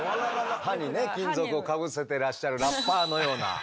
歯にね金属をかぶせてらっしゃるラッパーのような。